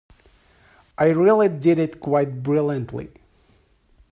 I really did it quite brilliantly.